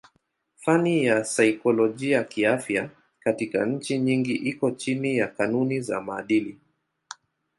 Fani ya saikolojia kiafya katika nchi nyingi iko chini ya kanuni za maadili.